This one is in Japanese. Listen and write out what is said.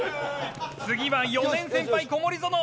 次は４年先輩小森園。